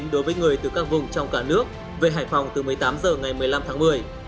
đối với người từ các vùng trong cả nước về hải phòng từ một mươi tám h ngày một mươi năm tháng một mươi